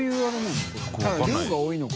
ただ量が多いのか。